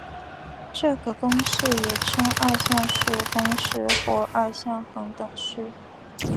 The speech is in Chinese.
这个公式也称二项式公式或二项恒等式。